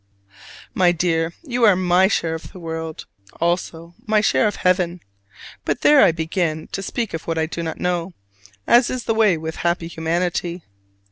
My dear, you are my share of the world, also my share of Heaven: but there I begin to speak of what I do not know, as is the way with happy humanity.